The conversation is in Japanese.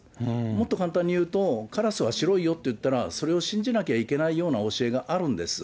もっと簡単に言うと、カラスは白いよと言うと、それを信じなきゃいけないような教えがあるんです。